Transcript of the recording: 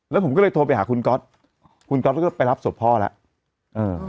แล้วผมก็เลยโทรไปหาคุณก๊อตคุณก๊อตก็ไปรับศพพ่อแล้วเออ